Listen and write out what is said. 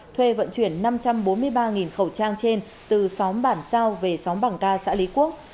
thuê vận chuyển năm trăm bốn mươi ba khẩu trang trên từ xóm bản sao về xóm bằng ca xã lý quốc